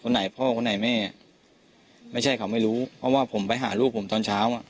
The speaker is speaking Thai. ไหนพ่อคนไหนแม่ไม่ใช่เขาไม่รู้เพราะว่าผมไปหาลูกผมตอนเช้าอ่ะ